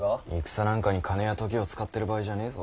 戦なんかに金や時を使ってる場合じゃねぇぞ。